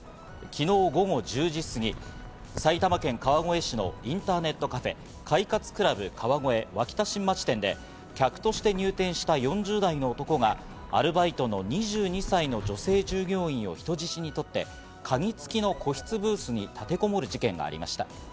昨日午後１０時過ぎ、埼玉県川越市のインターネットカフェ、快活ＣＬＵＢ川越脇田新町店で客として入店した４０代の男がアルバイトの２２歳の女性従業員を人質にとって、鍵付きの個室ブースに立てこもる事件がありました。